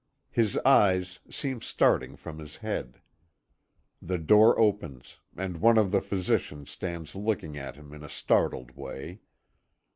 His eyes seem starting from his head. The door opens, and one of the physicians stands looking at him in a startled way.